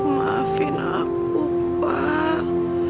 maafin aku pak